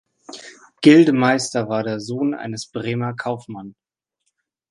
Gildemeister war der Sohn eines Bremer Kaufmann.